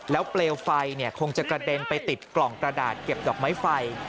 เปลวไฟคงจะกระเด็นไปติดกล่องกระดาษเก็บดอกไม้ไฟ